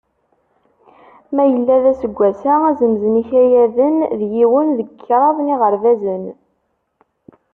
Ma yella d aseggas-a, azemz n yikayaden d yiwen deg kṛaḍ n yiɣerbazen.